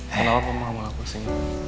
kenapa mama mau kesini